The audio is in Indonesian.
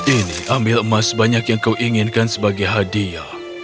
ini ambil emas banyak yang kau inginkan sebagai hadiah